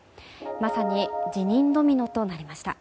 まさに辞任ドミノとなりました。